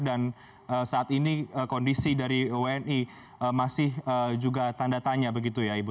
dan saat ini kondisi dari wni masih juga tanda tanya begitu ya ibu